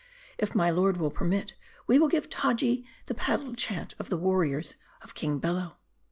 " If my lord will permit, we will give Taji the Paddle Chant of the warriors of King Bello."